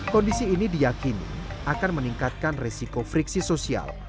kondisi ini diakini akan meningkatkan resiko friksi sosial